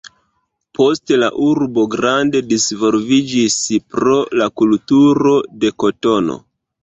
Poste, la urbo grande disvolviĝis pro la kulturo de kotono.